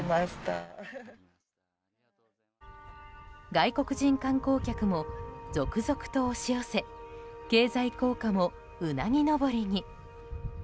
外国人観光客も続々と押し寄せ経済効果も、うなぎ登りに。